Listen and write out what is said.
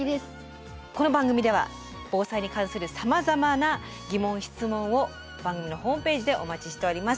この番組では防災に関するさまざまな疑問・質問を番組のホームページでお待ちしております。